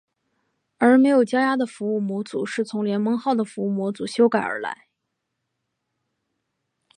而没有加压的服务模组是从联盟号的服务模组修改而来。